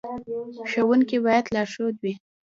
ښوونکی باید لارښود وي